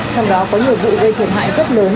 trong đó có nhiều vụ gây thiệt hại rất lớn